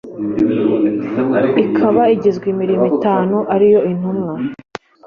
ikaba igizwe n’imirimo itanu ariyo Intumwa